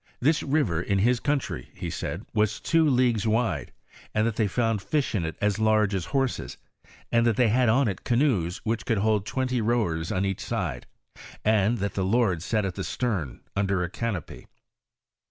"This river in his country," ho said, " was two leagues wide, and that they found fish in it as large as horaes, and that they had on it canoes which could hold twenty rowers on each side : and that the lords sat at the stern under a canopy